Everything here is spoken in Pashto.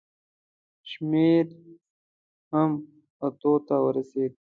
شمېر هم اتو ته ورسېدی.